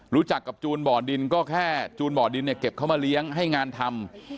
รู้จักกับจูนบ่อดินก็แค่จูนบ่อดินเนี่ยเก็บเขามาเลี้ยงให้งานทำ